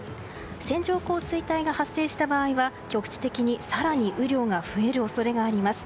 線状降水帯が発生した場合は局地的に更に雨量が増える恐れがあります。